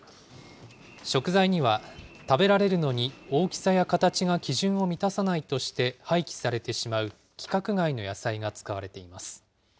食材には、食べられるのに大きさや形が基準を満たさないとして廃棄されてしまう規格外の野菜が使われています。